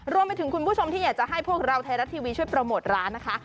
คุณผู้ชมที่อยากจะให้พวกเราไทยรัฐทีวีช่วยโปรโมทร้านนะคะ